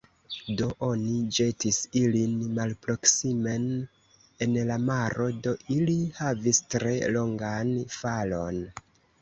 Do, oni ĵetis ilin malproksimen en la maro; do ili havis tre longan falon.